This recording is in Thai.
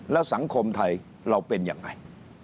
แล้วสังคมไทยเราเป็นยังไง